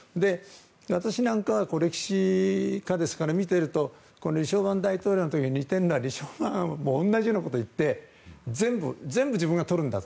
私なんかは歴史家ですから見ていると李承晩大統領の時と似ているなと思うのは李承晩も同じようなことを言って全部、自分がとるんだと。